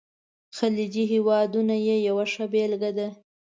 خلیجي هیوادونه یې یوه ښه بېلګه ده.